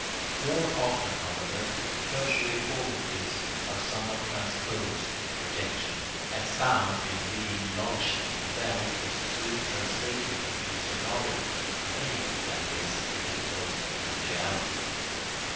] More often, however, tertiary qualities are somewhat transposed in projection, as sound in being lodged in the bell is soon translated into sonority, made, that is, into its own potentiality.